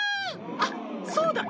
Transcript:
あっそうだ！